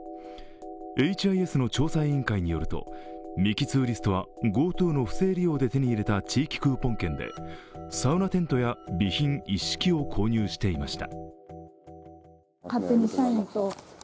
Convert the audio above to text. エイチ・アイ・エスの調査委員会によるとミキ・ツーリストはＧｏＴｏの不正利用で手に入れた地域クーポン券でサウナテントや備品一式を購入していました。